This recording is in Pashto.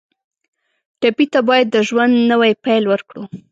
ټپي ته باید د ژوند نوی پیل ورکړو.